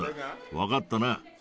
分かったな？